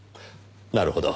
なるほど。